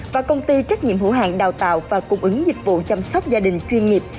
và công ty trách nhiệm hữu hạng đào tạo và cung ứng dịch vụ chăm sóc gia đình chuyên nghiệp